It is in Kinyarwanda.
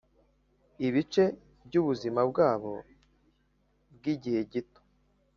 ibice byubuzima bwabo bwigihe gito